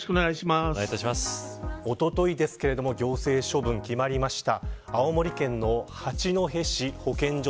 おとといですけれども行政処分、決まりました。